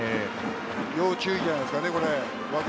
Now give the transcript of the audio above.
要注意じゃないですか、これ。